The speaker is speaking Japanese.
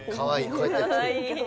こうやって。